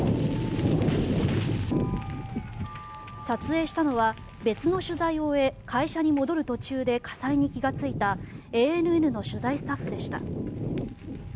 撮影したのは、別の取材を終え会社に戻る途中で火災に気がついたＡＮＮの取材スタッフでした。